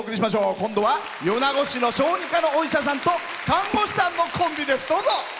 今度は米子市の小児科のお医者さんと看護師のコンビです。